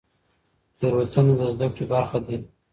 تېروتنې د زده کړې برخه دي.